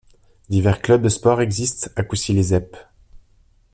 Divers clubs de sport existent à Coucy-lès-Eppes.